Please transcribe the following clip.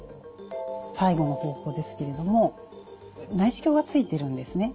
最後の方法ですけれども内視鏡がついてるんですね。